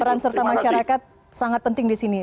peran serta masyarakat sangat penting di sini